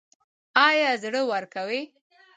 ایا زړه ورکوئ؟